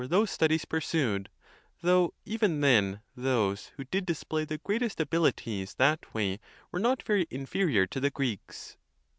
those studies pursued; though even then those who did display the greatest abilities that way were not very in ferior to the Greeks.